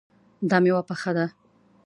دا میوه پخه ده